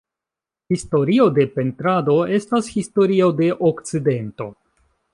Historio de pentrado, estas historio de okcidento.